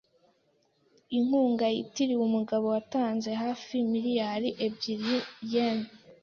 Inkunga yitiriwe umugabo watanze hafi miliyari ebyiri yen.